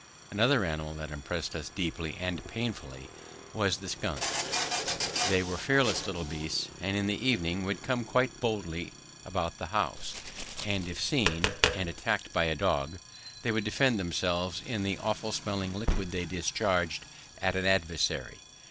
Another animal that impressed us deeply and painfully was the skunk. They were fearless little beasts and in the evening would come quite boldly about the house, and if seen and attacked by a dog, they would defend themselves with the awful smelling liquid they discharge at an adversary.